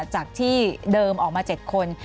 จากที่เดิมออกมา๗คน